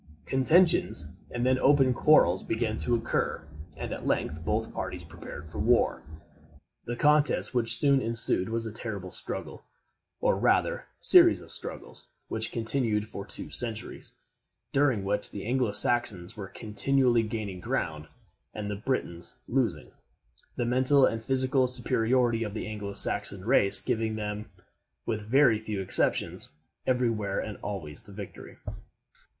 Contentions and then open quarrels began to occur, and at length both parties prepared for war. The contest which soon ensued was a terrible struggle, or rather series of struggles, which continued for two centuries, during which the Anglo Saxons were continually gaining ground and the Britons losing; the mental and physical superiority of the Anglo Saxon race giving them with very few exceptions, every where and always the victory.